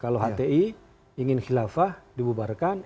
kalau hti ingin khilafah dibubarkan